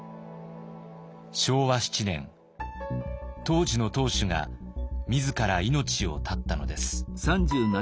当時の当主が自ら命を絶ったのです。